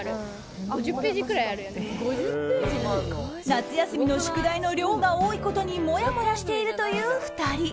夏休みの宿題の量が多いことにもやもやしているという２人。